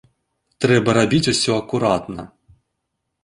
Трэба рабіць усё акуратна.